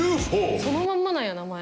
そのまんまなんや名前。